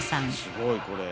すごいこれ。